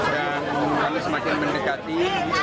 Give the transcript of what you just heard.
dan kami semakin mendekati